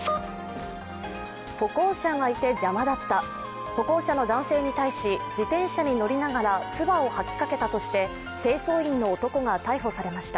歩行者がいて邪魔だった、歩行者の男性に対し自転車に乗りながらつばを吐きかけたとして清掃員の男が逮捕されました。